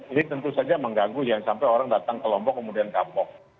ini tentu saja mengganggu jangan sampai orang datang ke lombok kemudian kapok